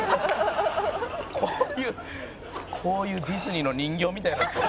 「こういうこういうディズニーの人形みたいになってる」